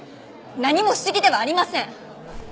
何も不思議ではありません！